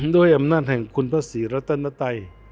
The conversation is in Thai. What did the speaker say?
ด้วยอำนาจของขุนพระศรีรตนไต